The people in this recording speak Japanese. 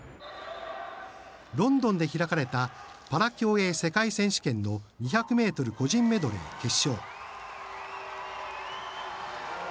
ロンドンで開かれたパラ競泳世界選手権の２００ｍ個人メドレー決勝。